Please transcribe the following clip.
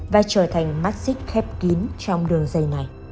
và trở thành mắt xích khép kín trong đường dây này